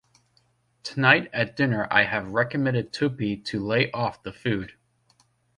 Tonight at dinner I have recommended Tuppy to lay off the food.